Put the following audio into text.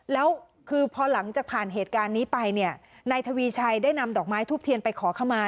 แล้วคือพอหลังจากผ่านเหตุการณ์นี้ไปเนี่ยนายทวีชัยได้นำดอกไม้ทูบเทียนไปขอขมา